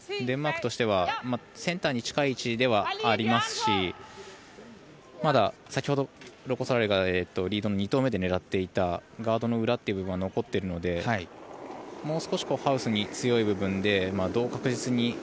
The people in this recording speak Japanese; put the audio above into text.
デンマークとしてはセンターに近い位置ではありますしまだ先ほど、ロコ・ソラーレがリードの２投目で狙っていたガードの裏という部分は残っているのでもう少しハウスに強い部分で確実に。